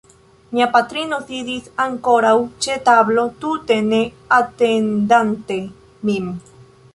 Mia patrino sidis ankoraŭ ĉe tablo tute ne atendante min.